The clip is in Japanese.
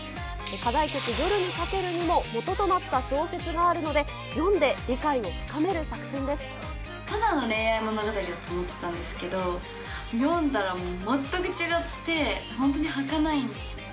課題曲、夜に駆けるにももとになった小説があるので、読んで理解を深めるただの恋愛物語だと思ってたんですけど、読んだらもう、全く違って、本当にはかないんですね。